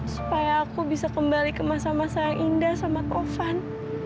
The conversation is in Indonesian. supaya aku bisa kembali ke masa masa yang indah sama tovan